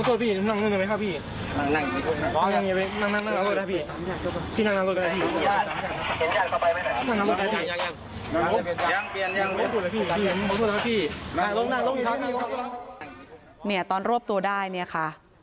ลมโทษนะพี่ลมโทษนะพี่ลมอย่างยังตอนรวบตัวได้เนี้ยค่ะ